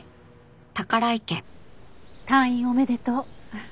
退院おめでとう。